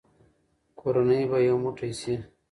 کورنۍ به یو موټی شي.